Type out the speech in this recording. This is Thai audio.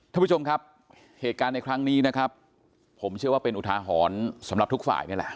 ท่านผู้ชมครับเหตุการณ์ในครั้งนี้นะครับผมเชื่อว่าเป็นอุทาหรณ์สำหรับทุกฝ่ายนี่แหละ